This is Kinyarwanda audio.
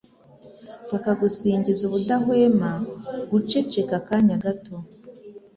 bakagusingiza ubudahwema guceceka akanya gato